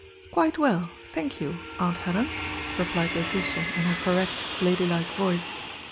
"Quite well, thank you, Aunt Helen," replied Letitia in her correct, ladylike voice.